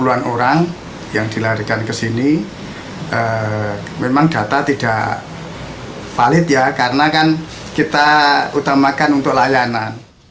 satu ratus lima puluh an orang yang dilarikan ke sini memang data tidak valid ya karena kan kita utamakan untuk layanan